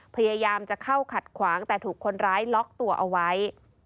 พยายามจะเข้าขัดขวางแต่ถูกคนร้ายล็อกตัวเอาไว้